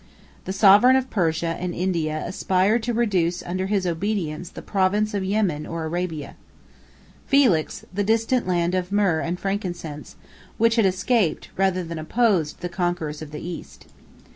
The sovereign of Persia and India aspired to reduce under his obedience the province of Yemen or Arabia 3 Felix; the distant land of myrrh and frankincense, which had escaped, rather than opposed, the conquerors of the East.